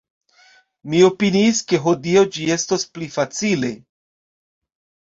Mi opiniis, ke hodiaŭ ĝi estos pli facile!